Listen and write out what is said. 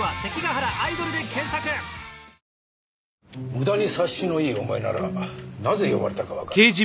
無駄に察しのいいお前ならなぜ呼ばれたかわかるな。